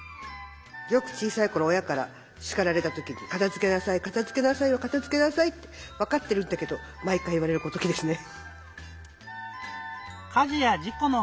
よく小さいころおやからしかられたときに「かたづけなさいかたづけなさいかたづけなさい」ってわかってるんだけどまいかいいわれるときですね。